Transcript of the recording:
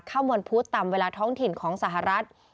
ข้ามวันพุธตำเวลาท้องถิ่นของสหรัฐ